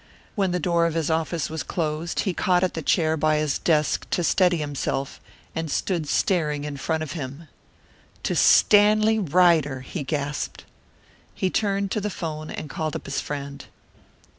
When the door of his office was closed, he caught at the chair by his desk to steady himself, and stood staring in front of him. "To Stanley Ryder!" he gasped. He turned to the 'phone, and called up his friend.